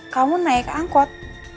kamu naik angkot